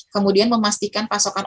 kemudian memastikan pasukan